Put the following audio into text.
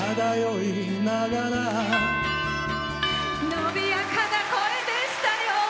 伸びやかな声でしたよ。